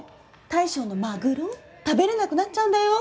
大将のマグロ食べられなくなっちゃうんだよ？